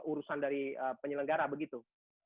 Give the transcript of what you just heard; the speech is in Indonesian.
urusan dari penyelenggara begitu